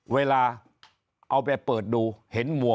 เวลาเอาไปเปิดดูเห็นหมวก